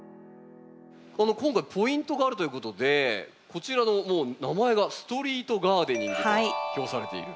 今回ポイントがあるということでこちらの名前が「ストリート・ガーデニング」と表されている。